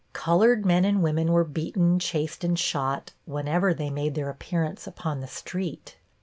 Colored men and women were beaten, chased and shot whenever they made their appearance upon the street.